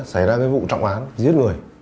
xảy ra vụ trọng án giết người